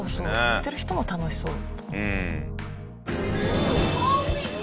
言ってる人も楽しそう。